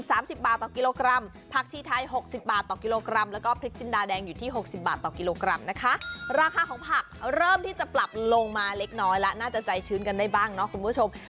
สิบบาทต่อกิโลกรัมผักชีไทยหกสิบบาทต่อกิโลกรัมแล้วก็พริกจินดาแดงอยู่ที่หกสิบบาทต่อกิโลกรัมนะคะราคาของผักเริ่มที่จะปรับลงมาเล็กน้อยแล้วน่าจะใจชื้นกันได้บ้างเนาะคุณผู้ชม